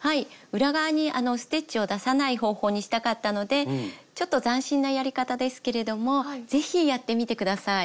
裏側にステッチを出さない方法にしたかったのでちょっと斬新なやり方ですけれどもぜひやってみてください。